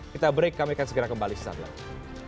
kita break kami akan segera kembali setelah itu